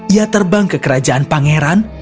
ia terbang ke kerajaan pangeran